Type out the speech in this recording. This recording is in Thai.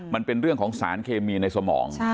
มันเป็นเรื่องของสารเคมีในสมอง